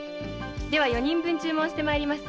では四人分注文して参ります。